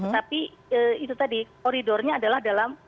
tapi itu tadi koridornya adalah dalam